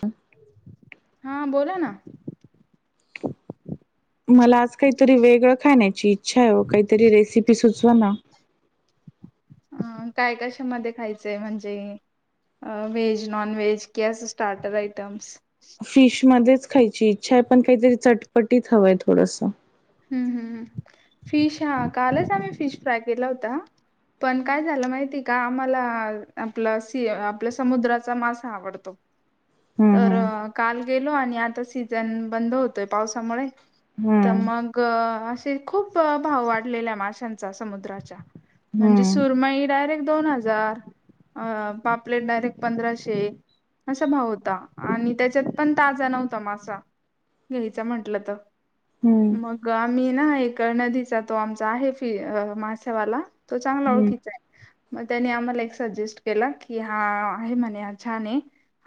ह हा बोला ना... मला आज काहीतरी वेगळं खाण्याची इच्छा आहे हो काहीतरी रेसिपी सुचवा... चना.. ह अ काय कशामध्ये खायचंय म्हणजे... अ व्हेज नॉन की असच स्टार्टर आयटम्स फिश मध्येच खायची इच्छा आहे पण काहीतरी चटपटीत हवंय थोडस... हम्म हम्म फिश हा कालच आम्ही फिश फ्राय केला होता. पण काय झालं माहिती का आम्हाला आपलं सी आपल्या समुद्राचा मासा आवडतो... हम्म तर हम्म... काल गेलो आणि आता सीझन बंद होतोय, पावसामुळे. तर हम्म मग ग असे खूप भाव वाढलेल्या माशांचा समुद्राच्या. म्हणजे हम्म हम्म सुरमाई डायरेक्ट दोन हजार. अ पापलेट डायरेक्ट पंधराशे. असा भाव होता आणि त्याच्यात पण ताजा नव्हता, मासा. घ्यायचं म्हंटलं तर. हम्म मग आम्ही ना एक नदीचा तो आमचा आहे फी अ मासेवाला तो चांगला हम्म ओळखीचा. मग त्यानी आम्हाला एक सजेस्ट केला की, हा आहे म्हणे हा छानय.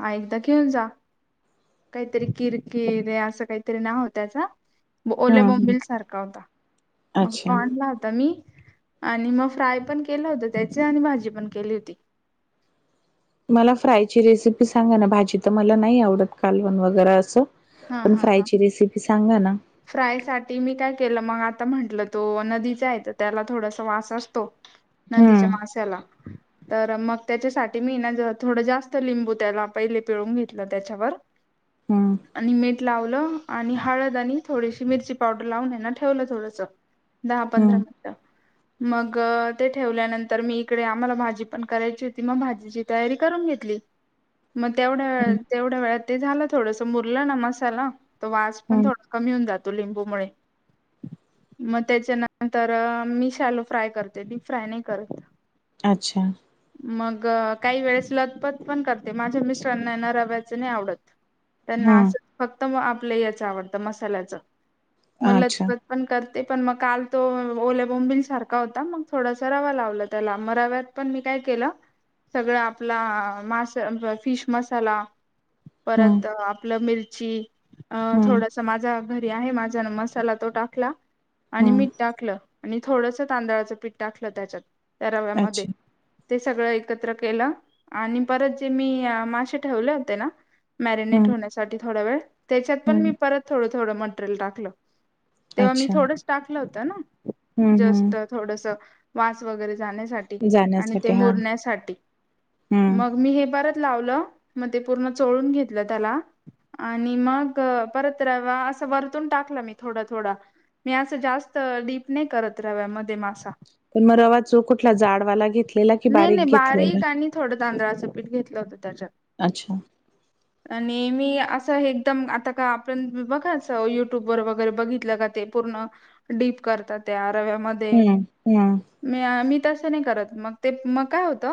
आहे तर घेऊन जा. काहीतरी किरकिर हे असं काहीतरी नाव हो त्याच. ओले हम्म हम्म. बोंबील सारखा होता. मग तो अच्छा आणला होता मी. आणि मग फ्राय पण केलं होत त्याचे, आणि भाजी पण केली होती. मला फ्रायची रेसिपी सांगा ना. भाजी तर मला नाही आवडत. कालवण वगैरे असं. हा, पण हा, हा. फ्रायची रेसिपी सांगा ना फ्राय साठी मी काय केलं, मग आ आता म्हंटलं तो नदीचा आहे तर त्याला थोडासा वास असतो. हम्म नदीच्या माशाला. तर मग त्याच्यासाठी मी ना ज थोडं जास्त लिंबू त्याला पहिले पिळून घेतलं त्याच्यावर. हम् आणि मीठ लावलं आणि हळद आणि थोडीशी मिरची पावडर लावून यांना ठेवलं थोडस. दहा पंधरा हम्म मिनटं. मग ते ठेवल्यानंतर, मी इकडे आम्हाला भाजी पण करायची होती. मग भाजीची तयारी करून घेत मग तेवढ हम्म तेवढ्या वेळात ते झालं थोडस मुरलं ना मसाला. तो वास पण हम्म. थोडा कमी होऊन जातो, लिंबूमुळे. मग त्याच्यानंतर मी शालो फ्राय करते, डीप फ्राय नाही करत. अच्छा. अग काही वेळेस लतपत पण करते. माझ्या मिस्टरांना न रव्याचं नाही आवडत. त्यांना हम्म असं फक्त आपलं याच आवडतं, मसाल्याच. म अच्छा लतपत पण कर ते पण मग काल तो ओले बोंबिल सारखा होता, मग थोडासा रवा लावला त्याला म रव्यात पण मी काय केलं, केलं, सगळ आपला मास फिश मसाला हम् परत आपलं मिरची, अ थोडस माझा घरी आहे माझा मसाला तो टाकला आणि हम्म मीठ टाकलं आणि थोडंस तांदळाचं पीठ टाकलं त्याच्यात. त्या राव्यामध्ये. अच्छा ते सगळं एक एकत्र केल आणि परत जे मी अ मासे ठेवले होते ना मॅरिनेट हम्म होण्यासाठी थोडा वेळ, त्याच्यात पण मी हम्म परत थोडं - थोडं मटेरियल टाकलं. तेव्हा मी अच्छा थोडस टाकलं होत ना, हम्म हम्म जस्ट थोडस वास वगैरे जाण्यासाठी, आणि ते जाण्यासाठी हा मुरण्यासाठी हम्म मग मी हे परत लावलं. मग ते पूर्ण चोळून घेतलं त्याला. आणि मग, परत रवा असं वरतून टाकलं मी थोडं थोडा. मी असं जास्त, डीप नाही करत रव्यामध्ये मास पण मग रवा चो कुठला जाडवाला घेतलेला की नाही, नाही घेतलेला? बारीक आणि थोडं तांदळाचं पीठ घेत ल होत त्याच्यात. अच्छा. आणि मी असं एकदम आता का आपण बघायच, युट्यूब वर वगैरे बघितलं का ते पूर्ण डीप करता त्या रव्यामध्ये. हम्म हम्म मी अ मी तसं नाही करत. मग ते मग काय होत,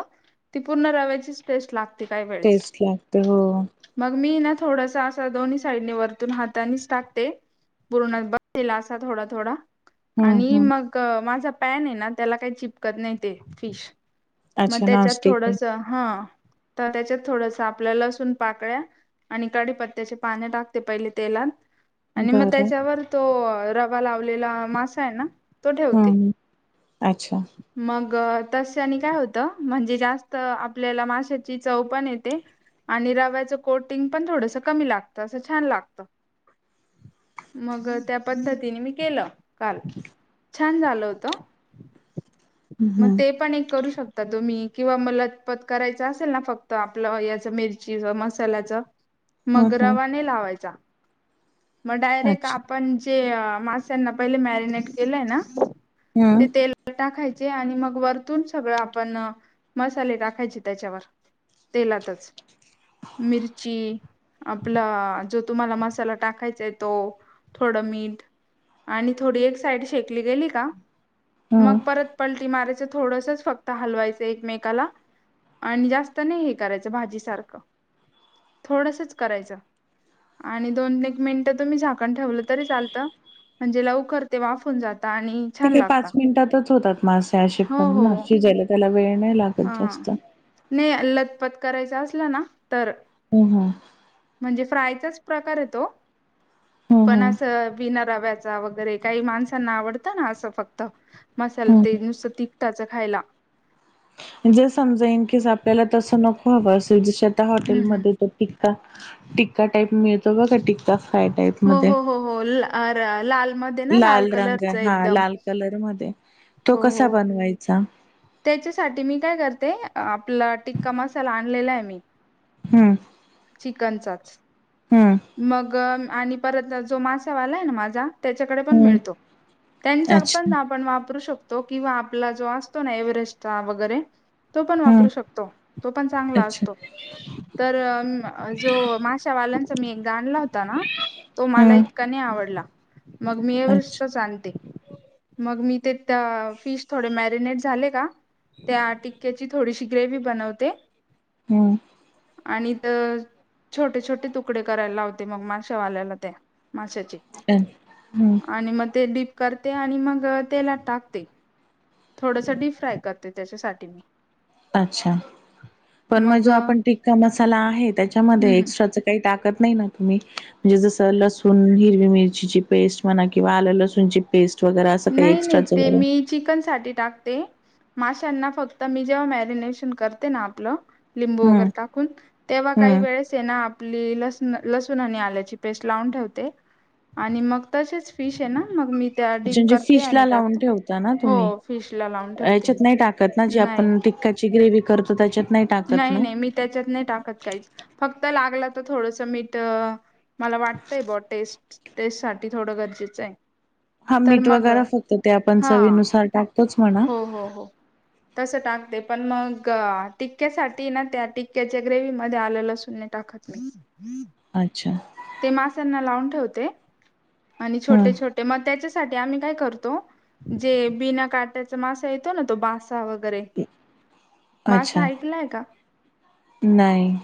ती पूर्ण रव्याची टेस्ट लाग टेस्ट लागते, हो. मग मी ना थोडसा अस, दोन्ही साईडने वरतून हातानीच टाकते. पूर्ण [unintelligible] दिलासा थोडा-थोडा. हम्म आणि हम्म मग माझा पॅन आहे ना, त्याला काही चिपकत नाही ते, फिश. मग अच्छा त्याच्यात नॉनस्टिक थोडस, आहे हा, त्याच्यात थोडस आपल्या लसुन पाकळ्या आणि काढी पत्त्याचे पाने टाकते पहिले तेलात, आणि मग बरं त्याच्यावर तो रवा लावलेला मासा आहे ना, तो ठेवते. हम्म अच्छा मग तस आणि काय होतं म्हणजे जास्त आपल्याला माशची चव पण येते. आणि रव्याचं कोटिंग पण थोडस कमी लागतं असं छान लागत. मग त्या पद्धतीने मी केलं काल छान झाल होत हम्म मग हम्म ते पण एक करू शकतो. तुम्ही किंवा मलतपत करायच असेल ना फक्त आपलं याच मिरची मस्त मसाल्याचा हम्म मग रावा हम्म नइ लावायचा. मग डायरेक्ट अच्छा आपण जे माश्यांना पहिले मॅरिनेट केलंय ना, हम्म ते तेल टाकाायच. आणि मग वरतून सगळ आपण मसाले टाकायचे त्याच्यावर. तेलातच मिरची, आपला जो तुम्हाला मसाला टाकायचाय तो थोडं मीठ आणि थोडी एक साईड शेकली गेली का हम्म मग परत पलटी माराय थोडस फक्त हलवायचं एकमेकाला आणि जास्त नाही हे करायचं भाजी सारखं थोडसच करायचं. आणि दोन एक मिनिटं तुम्ही झाकण ठेवलं तरी चालतं म्हणजे लवकरते वाफून जाते ते का पाच मिनिटातच होतात. मासेशे हो हो पण्ना शिजायला त्याला वेळ नाही लागत जास्त. झटपट करायच असलं णा तर, हम्म हम्म म्हणजे फ्राय प्रकार आहे तो हम्म पण हम्म अस, बिना रव्या वरे काही माणसांना आवडतं ना अस फक्त मसाल ते हम्म नुसत तिखटच खायला. जे समजा इन केस आपल्याला तसं नको हवं असेल जसं आता हम्म हम्म हॉटेलमध्ये टि का टिक्का टाईप मिळतो ब का टिक्का फ्राय टाईप हो मध्ये हो हो हो लाल मध्ये ना लाल रंग कलरच आहे हा एकदम लाल कलर मध्ये तो हो कसा हो बनवायचा? त्याच्यासाठी मी काय करते आपला टिक्का मसाला आणलेला आहे मी हम्म. कांचाच हम्म मग आणि परत जो माशावालाय ना माझा, त्याच्याकडे पण हम्म मिळतो त्यांचा अच्छा पण आपण वापरू शक तो किंवा आपला जो असतो ना एव्हरेस्ट वगैरे तो पण हम्म वापरू शकतो तो पण चांगला अच्छा असतो. तर जो माशावाल्यां मी गाणला होता ना तो मला हम्म इतका नाही आवडला. मग मी अच्छा एवरेस्टचाच आणते. मग मी ते त्या फिश थोडे मॅरिनेट झाले का? त्या टिक्क्याची थोडीशी ग्रेवी बनवते, हम्म. आणि त छोटे छोटे तुकडे करायला लावते मग माश्यावाल्याला त्या माशाचे, अ हम्म आणि मग ते डीप करते, आणि मग तेलात टाकते, थोडसं डीप फ्राय करते त्याच्यासाठी मी. अच्छा, पण मग जो आपण टिक्का मसाला आहे त्याच्यामध्ये हम् एक्स्ट्राच काही टाक ते नाही ना तुम्ही म्हणजे जसं लसूण, हिरवी मिरचीची पेस्ट म्हणा किंवा आलं लसूणची पेस्ट वगैरे असं काही नाही नाही एक्स्ट्राच ते वगैरे मी चिकन साठी टाकते. माश्यांना फक्त मी जेव्हा मॅरिनेशन करते ना आपलं लिंबू हं वगैरे टाकून तेव्हा काही हं वेळेस येना आपली लस लसूण आणि आल्याची पेस्ट लावून ठेवते. आणि मग तसेच फिश आहे ना मग मी त्या अच्छा डीप म्हणजे करते फिशला आणि लावून टाकते ठेवता ना हो तुम्ही, फिश ला लावून ठेवते याच्यात मी नाही टाकत ना जी नाही आपण टिक्काची ग्रेवी. नाही नाही मी त्याच्यात नाही टाकत काहीच फक्त. लागला तर थोडंसं मीठ मला वाटतंय ब टेस्ट. टेहसाठी थोडं गरजेचं आहे. हा तर मीठ मग वगैरे फक्त ते आपण हा चवीनुसार टाक हो हो हो. तसं टाकते पण मग टिक्क्यासाठी ना त्या टिक्क्याच्या ग्रेवी मध्ये आलं लसूण नाही टाक खत नाही. [unintelligible] अच्छा. ते मास्यांना लावून ठेवते आणि हं छोटे, छोटे मग त्याच्या साठी आम्ही काय करतो जे बिना काट्याचा मासा येतो ना तो बास सा वगैरे मासा अच्छा ऐकलाय का? नाही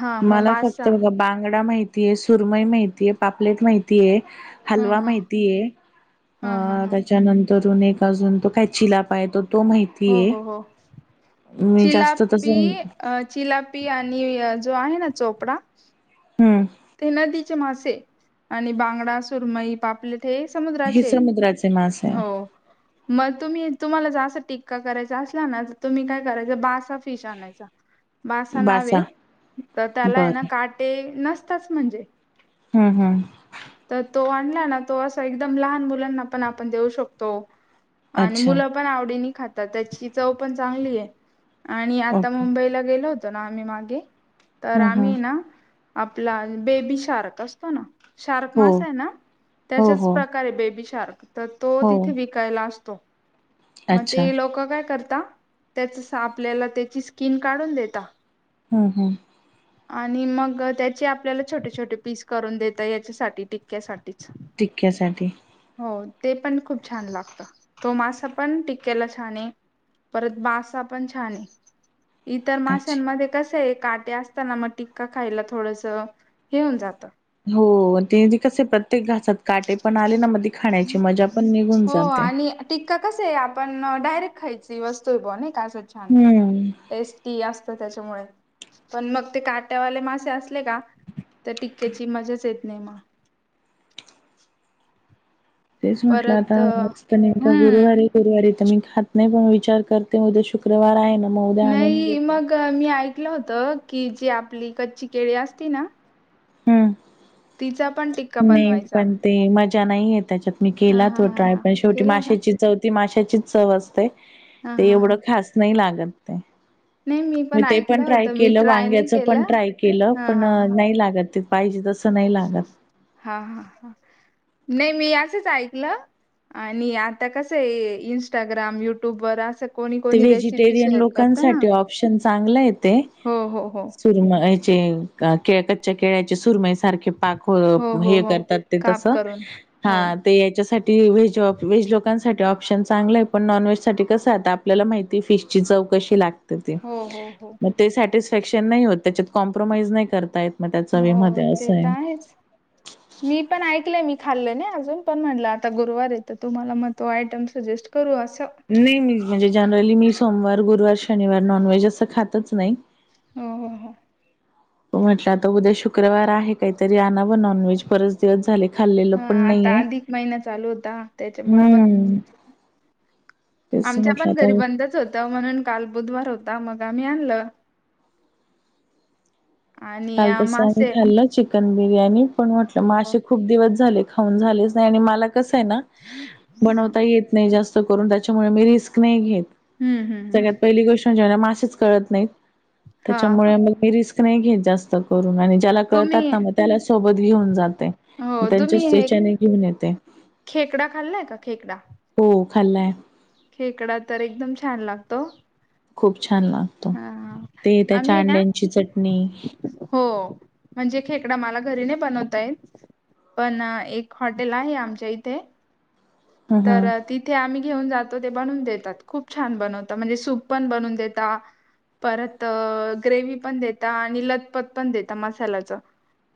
हा मग मला फक्त बासा बघा बांगडा माहि तीय, सुरमई माहितीेयं, पापलेट माहितीेयं, हा हलवा हा माहितीय अ हा हा हा त्याच्यानंतरुन एक. अजून तो काय चिलाप आहे तो. हो माहितीये. हो हो मी जास्त तस चिलापी हम्म अ चिलाप. पि आणि जो आहे ना चोपडा. ते नदीचे मासे आणि बांगडा, सुरमई, पापलेट. ते हे समुद्राचे समुद्राचे मासे आहे. हो. मग तुम्ही तुम्हाला जास् टिक्का करायचा असला ना तुम्ही काय करायच बासा फिश आणायचा. बासा नावं आहे तर त्याला आहे, ना बरं काटे नसतंच म्हणजे. हा हा. तर तो आणला ना तो असा एकदम लहान मुलांना पण आपण देऊ शकतो. आणि अच्छा मुलं पण आवडीने खातात त्याची चव पण चांगली आहे. आणि आता ओके मुंबईला गेलो होतो, ना आम्ही मागे तर हम्म हम्म आम्ही ना आ आपला बेबी शार्क असतो ना. शार्क हो मास आहे, ना हो त्याच्याच हो प्रकारे बेबी शार्क तर तो हो तिथे विकायला असतो. तो मग अच्छा ते लोक काय करत त्या आपल्याला त्याची स्किन काढून देता. हम्म हम्म. आणि मग त्याचे आपल्याला छोटे, छोटे पीस करून देत याच्यासाठी टिक्क्यासाठीच. टिकक्यासाठी. हो ते पण खूप छान लागत तो मासा पण टिकेला छान आहे. परत बासा पण छान आहे. इतर अच्छा माशांमध्ये कसे आहे, काटे असताना मग टिक्का खायला थोडंस. तर हेऊन जात. हो ते कसे प्रत्येक घासात काटे पण आले ना म ती खाण्याची मजा पण निघून जाते. टिक्का कसं आहे. पण डायरेक्ट खायची वस्तू ब नाही का अस छान हम्म टेस्टी असत प त्याच्यामुळे पण मग ते काट्यावाले मासे असले का त्या टिक्क्याची मजाच येत नाय म. तेच म्हटलं [unintelligible] आताजत नेमका हम्म गुरुवारी गुरुवारी मी खात नाही पण विचार करते उद्या शुक्रवार आहे ना. मग उद्या आणून नाही घेते. मग मी ऐकलं होत, की जी आपली कच्ची केळी असती ना. हम्म. तिचा आप नाही पण ते मजा नाही आहे त्याच्यात. मी हा केला हा तो हा ट्राय हा पण शेवटी केला का माशाची चव ती माशाचीच चव असते. हा ते हा एवढं हा खास नाही लागत ते. नाही मी ते ऐकलं पण ट्राय होतं मी केलं ट्राय नाही वांग्याच केलं पण ट्राय केलं हा पण हा हा नाही लागत. पाहिजे तसं नाही लागत. हा हा हा नाही मी असच ऐकलं. आणि आता कसं आहे इंस्टाग्राम युट्यूब वर असं. कोणी ते कोणी रेसिपी व्हेजिटेरियन शेअर करत ना लोकांसाठी ऑप्शन चांगला येते. हो हो हो सुरम याचे केळ कच्च्या केळ्याचे सुरमई सारखे हो हो हो करतात ते तस काप करून हा हो याच्यासाठी व वज लोकां ठी ऑप्शन चांगलं आहे पण नॉन व्हेज सा कसं आता आपल्याला माहिती फिशची चव कशी लागते. हो हो हो मग ते सॅटिस्फॅक्शन नाही होत त्याच्यात कॉम्प्रोमाइज नाही करताय. हो ते तर आहेच मी पण ऐकलंय मी खाल्लं ना. अजून पण म्हणलं आता गुरुवार येत तुम्हाला मग तो आयटम सजेस्ट करू. नाही मी म्हणजे जनरली मी सोमवार गुरुवार शनिवार नॉनव्हेज असं खातच नाही. हो हो हो. म्हटलं आता उद्या शुक्रवार आहे काहीतरी आण व नॉनव्हेज परत दिवस झाले. खाल्लेलं हा पण आता नाहीये अधिक महिना चालू होता त्याच्यामुळे ब हम्म. तेच आमच्या म्हटलं मन घरी आता बंदच होतं म्हणून काल बुधवार होता मग आम्ही आणलं. आणि काल अं, तसं आम्ही मासे खाल्लं च. चिकन बिर्याणी पण म्हटलं मग हो असे खूप दिवस झाले खाऊन झालेच नाही आणि मला ह बनता येत नाही जास्त करून त्याच्यामुळे मी रिस्क नाही घेत. हम्म हम्म हम्म. नाही हां, हां. त्यामुळेीि नाही घत. आणि ज्याला कळतात तुम्ही ना मग त्याला सोबत घेऊन जाते. हो, तुम्ही त्यांच्याच हे त्याच्याने घेऊन येते. खेकडा खाल्लाय का खेकडा. हो खाल्लाय. खेकडा तर एकदम छान लागतो. खूप छान लागतो हां, ते त्याच्या आम्ही ना अंड्याची चटणी हो म्हणजे खेकडा मला घरी नाही बनवता येत पण एक हॉटेल आहे आमच्या इथे ह ह तर तिथे आम्ही घेऊन जातो ते बनून देतात खूप छान बनवता म्हणजे सूप पण बनून देतात. परत ग्रेव्ही पण देता आणि लतपत पण देता मसाल्याच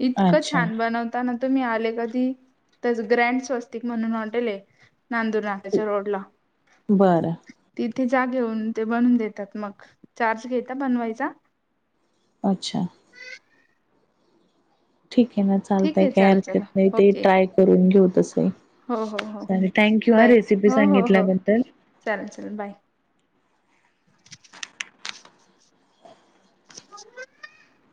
इतकं अच्छा छान बनवता ना. तुम्ही आले कधी तर ग्रँड स्वस्तिक म्हणून एक हॉटेल आहे. नांदूर नाक्याच्या रोडला बरं तिथल्या ते जा घेऊन ते बनवून देतात मग चार्ज घेता बनवायचा. अच्छा. ठीक आहे ना ठीक चालतय आहे काय चालेल चला हरकत नाही ते ओके ट्राय करून घेऊ तस आहे. हो हो हो बाय हो हो हो सांगितल्याबद्दल चालेल. चल बाय. [inaudible]